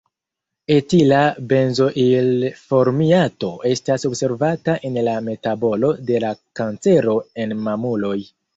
Etila benzoilformiato estas observata en la metabolo de la kancero en mamuloj.